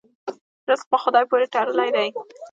رزق په خدای پورې تړلی دی.